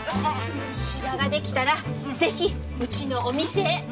シワができたらぜひうちのお店へ。